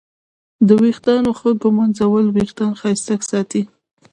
د ویښتانو ښه ږمنځول وېښتان ښایسته ساتي.